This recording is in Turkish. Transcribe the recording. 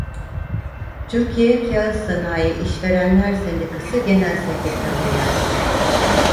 Türkiye Kâğıt Sanayi İşverenler Sendikası Genel Sekreterliği yaptı.